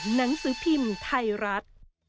หนังสือพิมพ์ไทยรัฐ